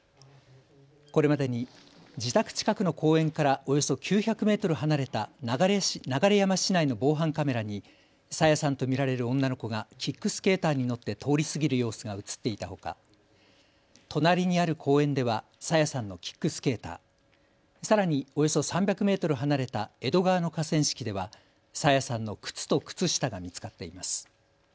これまでに自宅近くの公園からおよそ９００メートル離れた流山市内の防犯カメラに朝芽さんと見られる女の子がキックスケーターに乗って通り過ぎる様子が写っていたほか隣にある公園では朝芽さんのキックスケーター、さらにおよそ３００メートル離れた江戸川の河川敷では朝芽さんの靴と靴下が見つかっています。